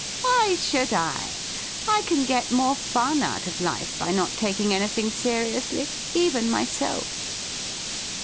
' Why should I .^ I can get more fun out of life by not taking anything seriously — even myself.'